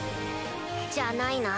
じゃないな。